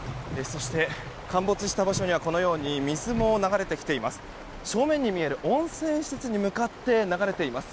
そして、陥没した場所にはこのように水も流れてきています。